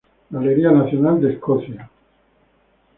Galería Nacional de Escocia